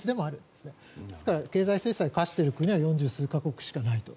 ですから経済制裁を科している国は四十数か国しかないと。